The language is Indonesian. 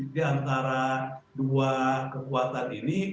diantara dua kekuatan ini